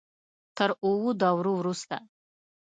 تر اوو دورو وروسته.